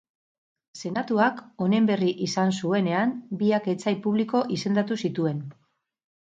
Senatuak honen berri izan zuenean, biak etsai publiko izendatu zituen.